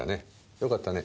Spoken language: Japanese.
よかったね。